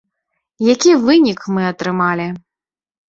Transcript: Які вынік мы атрымалі?